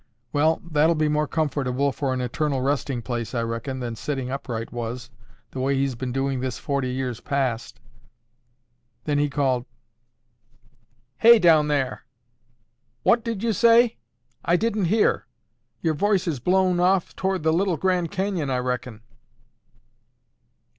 Well, that'll be more comfortable for an eternal resting place, I reckon, than sitting upright was, the way he's been doing this forty years past." Then he called, "Hey, down there, what did you say? I didn't hear. Your voice is blown off toward the Little Grand Canyon, I reckon."